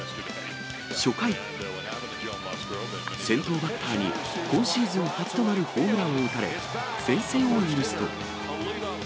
初回、先頭バッターに今シーズン初となるホームランを打たれ、先制を許すと。